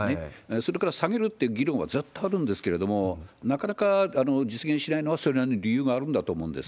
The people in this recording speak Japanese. それから下げるっていう議論はずっとあるんですけれども、なかなか実現しないのはそれなりの理由があるんだと思うんです。